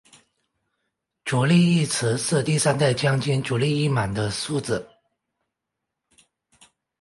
足利义持是第三代将军足利义满的庶子。